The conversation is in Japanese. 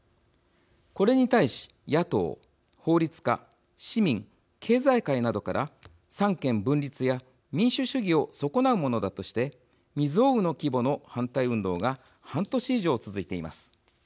これに対し野党、法律家、市民経済界などから三権分立や民主主義を損なうものだとして未曽有の規模の反対運動が半年以上、続いています。